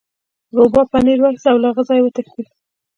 روباه پنیر واخیست او له هغه ځایه وتښتید.